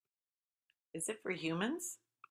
Is it for humans?